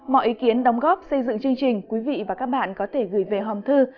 mọi ý kiến đóng góp xây dựng chương trình quý vị và các bạn có thể gửi về hòm thư